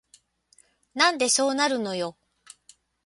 なんでそうなるのよ